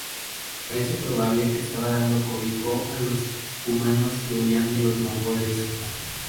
Parece probable que estaba dando cobijo a los cumanos que huían de los mongoles.